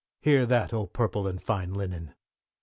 Hear that, oh, purple and fine linen!